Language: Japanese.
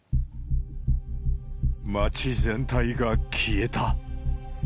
町全体が消えた。